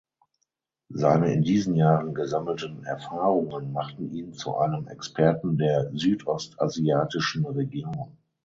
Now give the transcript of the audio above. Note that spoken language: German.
Seine in diesen Jahren gesammelten Erfahrungen machten ihn zu einem Experten der südostasiatischen Region.